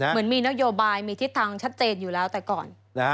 เหมือนมีนโยบายมีทิศทางชัดเจนอยู่แล้วแต่ก่อน